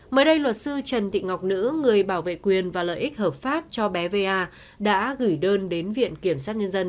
mới đây luật sư trần thị ngọc nữ người bảo vệ quyền và lợi ích hợp pháp cho bé va đã gửi đơn đến viện kiểm sát nhân dân